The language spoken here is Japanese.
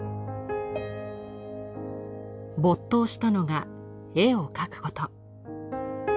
没頭したのが絵を描くこと。